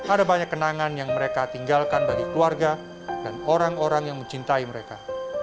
ada banyak kenangan yang mereka tinggalkan bagi keluarga dan orang orang yang mencintai mereka